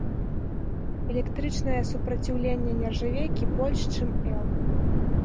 Электрычнае супраціўленне нержавейкі больш, чым эл.